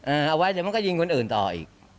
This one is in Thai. เอาไว้เดี๋ยวมันก็ยิงคนอื่นต่ออีก